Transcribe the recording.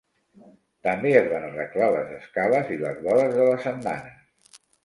També es van arreglar les escales i les vores de les andanes.